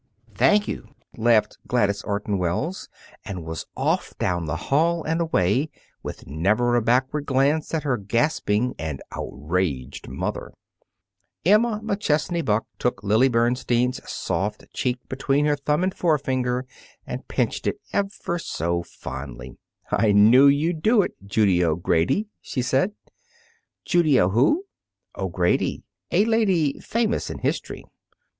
"Thank you," laughed Gladys Orton Wells, and was off down the hall and away, with never a backward glance at her gasping and outraged mother. Emma McChesney Buck took Lily Bernstein's soft cheek between thumb and forefinger and pinched it ever so fondly. "I knew you'd do it, Judy O'Grady," she said. "Judy O'Who?" "O'Grady a lady famous in history."